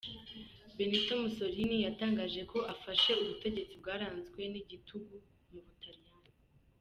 Benito Mussolini yatangaje ko afashe ubutegetsi bwaranzwe n’igitugu mu butaliyani.